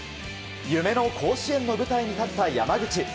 夢の甲子園の舞台に立った山口。